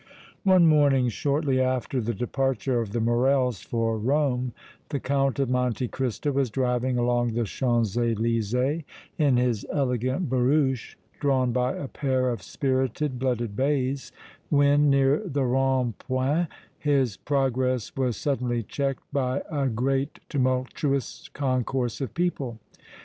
One morning shortly after the departure of the Morrels for Rome, the Count of Monte Cristo was driving along the Champs Elysées in his elegant barouche drawn by a pair of spirited, blooded bays, when, near the Rond point, his progress was suddenly checked by a great, tumultuous concourse of people.